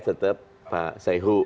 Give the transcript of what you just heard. pks tetap pak sehu